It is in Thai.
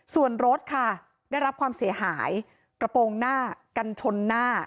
ส่วนรถค่ะได้รับความเสียหายกระโปรงหน้ากันชนหน้า